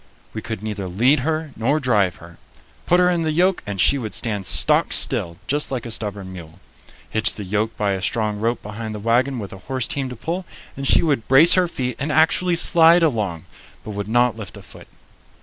We could neither lead her nor drive her. Put her in the yoke, and she would stand stock still, just like a stubborn mule. Hitch the yoke by a strong rope behind the wagon with a horse team to pull, and she would brace her feet and actually slide along, but would not lift a foot.